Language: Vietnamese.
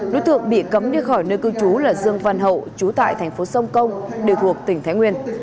đối tượng bị cấm đi khỏi nơi cư trú là dương văn hậu chú tại thành phố sông công đều thuộc tỉnh thái nguyên